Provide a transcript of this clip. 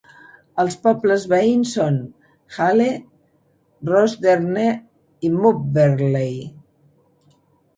Els pobles veïns són Hale, Rostherne i Mobberley.